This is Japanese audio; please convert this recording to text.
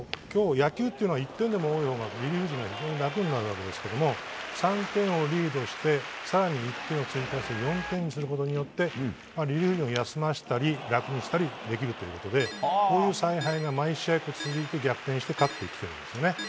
野球というのは１点でも多いほうがリリーフが楽になるわけですけども３点をリードして更に１点を追加して４点にすることによってリリーフを休ませたり楽にしたりできるということでこういう采配が毎試合すると逆転して勝っているんですね。